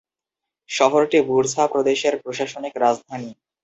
শহরটি বুরসা প্রদেশের প্রশাসনিক রাজধানী।